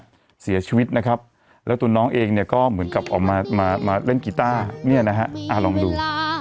เสียชีวิตนะครับแล้วตัวน้องเองเนี่ยก็เหมือนกับออกมามาเล่นกีต้าเนี่ยนะฮะลองดู